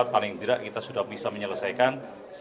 paling tidak kita sudah bisa menyelesaikan